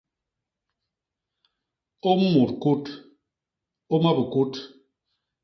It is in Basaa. Ôm mut kut; ôma bikut.